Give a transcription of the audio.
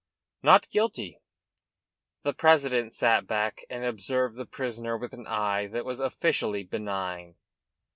"Not guilty." The president sat back and observed the prisoner with an eye that was officially benign.